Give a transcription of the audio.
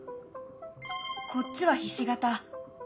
こっちはひし形！